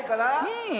うん。